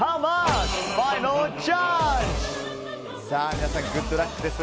皆さん、グッドラックです。